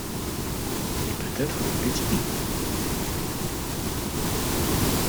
Et peut-être le voulait-il?